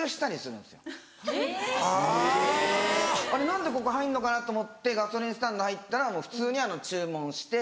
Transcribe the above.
何でここ入んのかな？と思ってガソリンスタンド入ったらもう普通に注文して。